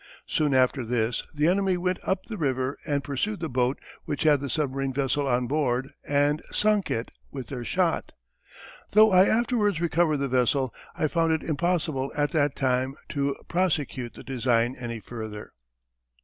Soon after this the enemy went up the river and pursued the boat which had the submarine vessel on board and sunk it with their shot. Though I afterwards recovered the vessel, I found it impossible at that time to prosecute the design any farther.